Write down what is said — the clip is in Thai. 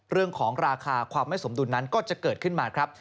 เรื่องของราคาความไม่สมดุลนั้นก็จะเกิดขึ้นมาครับ